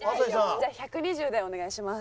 じゃあ１２０でお願いします。